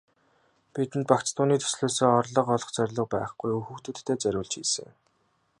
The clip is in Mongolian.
Бидэнд багц дууны төслөөсөө орлого олох зорилго байхгүй, хүүхдүүддээ зориулж хийсэн.